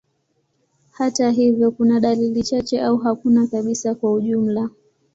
Hata hivyo, kuna dalili chache au hakuna kabisa kwa ujumla.